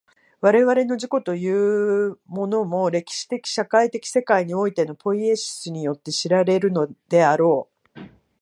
我々の自己というものも、歴史的社会的世界においてのポイエシスによって知られるのであろう。